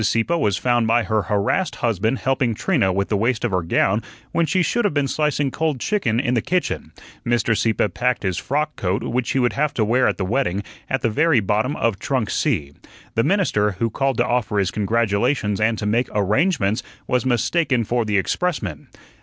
Sieppe was found by her harassed husband helping Trina with the waist of her gown when she should have been slicing cold chicken in the kitchen. Mr. Sieppe packed his frock coat, which he would have to wear at the wedding, at the very bottom of "Trunk C." The minister, who called to offer his congratulations and to make arrangements, was mistaken for the expressman.